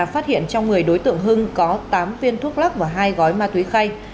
phát hiện trong người đối tượng hưng có tám viên thuốc lắc và hai gói ma túy khay